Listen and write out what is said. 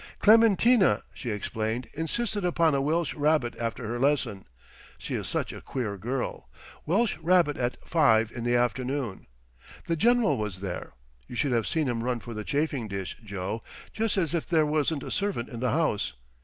"Clementina," she explained, "insisted upon a Welsh rabbit after her lesson. She is such a queer girl. Welsh rabbits at 5 in the afternoon. The General was there. You should have seen him run for the chafing dish, Joe, just as if there wasn't a servant in the house.